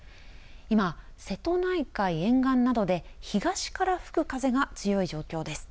今、瀬戸内海沿岸などで東から吹く風が強い状況です。